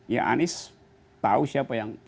ya anies tahu siapa yang pegang siapa